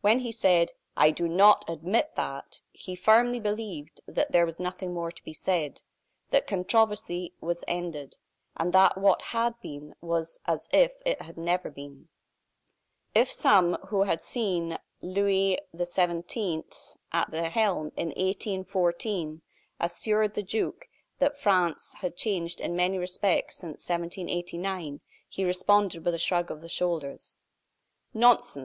When he said: "I do not admit that!" he firmly believed that there was nothing more to be said; that controversy was ended; and that what had been was as if it had never been. If some, who had seen Louis XVII. at the helm in 1814, assured the duke that France had changed in many respects since 1789, he responded with a shrug of the shoulders: "Nonsense!